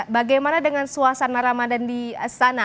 bagaimana dengan suasana ramadan di sana